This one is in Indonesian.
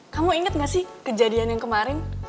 kamu inget gak sih kejadian yang kemarin